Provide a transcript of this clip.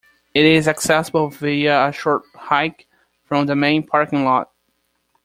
It is accessible via a short hike from the main parking lot.